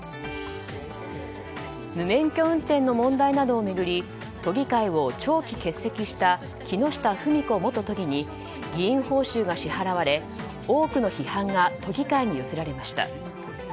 無免許運転の問題などを巡る都議会を長期欠席した木下富美子元都議に議員報酬が支払われ多くの批判が都議会に寄せられました。